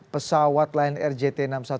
pesawat lain rgt enam ratus sepuluh